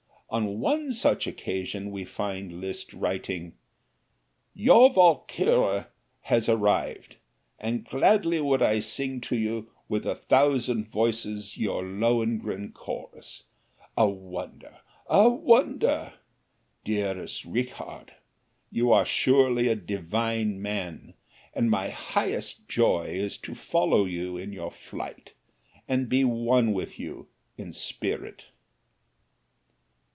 On one such occasion we find Liszt writing: "Your 'Walkure' has arrived and gladly would I sing to you with a thousand voices your 'Lohengrin Chorus' a wonder, a wonder! Dearest Richard, you are surely a divine man, and my highest joy is to follow you in your flight and be one with you in spirit!"